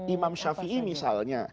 imam shafi'i misalnya